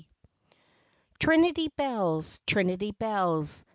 C rinity Bells! Trinity Bells!